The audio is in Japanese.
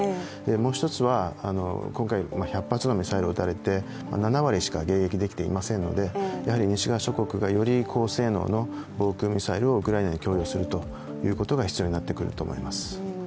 もう一つは、今回１００発のミサイルを撃たれて７割しか迎撃できていませんのでやはり西側諸国がより高性能のミサイルをウクライナに供与するということが必要になってくると思います。